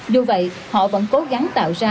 dù vậy họ vẫn cố gắng tạo ra